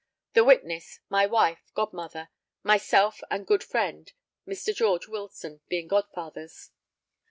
The witnesses: my wife, godmother; myself and good friend, Mr. George Wilson, being godfathers.